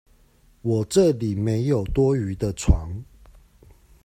我這裡沒有多餘的床